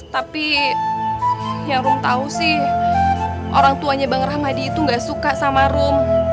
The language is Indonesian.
tapi yang rum tau sih orang tuanya bang rahmadi itu gak suka sama room